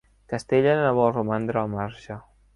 Castella no vol romandre al marge.